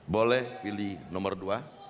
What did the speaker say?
boleh pilih nomor dua